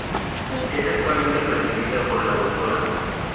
Es actualmente presidida por la Dra.